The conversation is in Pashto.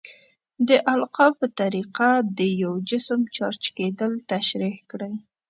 د القاء په طریقه د یو جسم چارج کیدل تشریح کړئ.